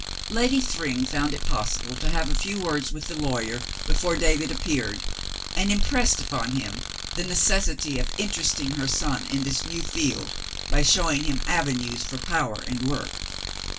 Lady Thryng found it possible to have a few words with the lawyer before David appeared, and impressed upon him the necessity of interesting her son in this new field by showing him avenues for power and work.